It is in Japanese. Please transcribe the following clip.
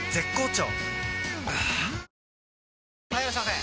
はぁ・はいいらっしゃいませ！